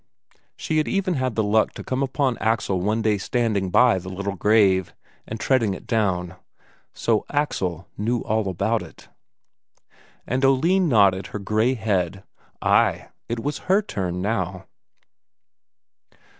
She had even had the luck to come upon Axel one day standing by the little grave, and treading it down. So Axel knew all about it! And Oline nodded her grey head ay, it was her turn now!